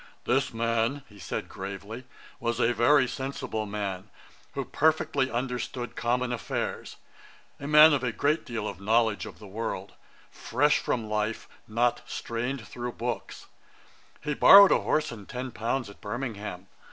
'This man (said he, gravely) was a very sensible man, who perfectly understood common affairs: a man of a great deal of knowledge of the world, fresh from life, not strained through books. He borrowed a horse and ten pounds at Birmingham.